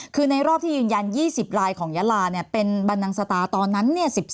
คือในรอบที่ยืนยัน๒๐ลายของยาลาเป็นบันนังสตาตอนนั้น๑๓